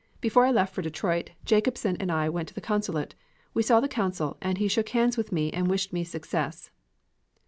Before I left for Detroit, Jacobsen and I went to the consulate. We saw the consul and he shook hands with me and wished me success."